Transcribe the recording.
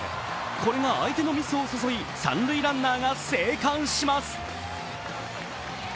これが相手のミスを誘い、三塁ランナーが生還します。